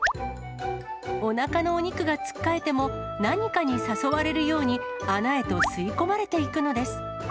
おなかのお肉がつっかえても、何かに誘われるように、穴へと吸い込まれていくのです。